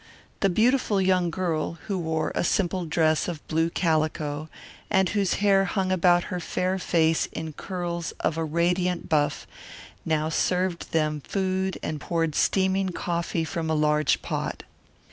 The beautiful young girl, who wore a simple dress of blue calico, and whose hair hung about her fair face in curls of a radiant buff, now served them food and poured steaming coffee from a large pot.